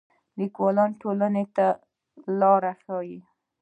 لیکوال ټولنې ته لار ښيي